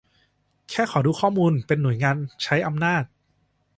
แค่ขอดูข้อมูล เป็นหน่วยงานใช้อำนาจ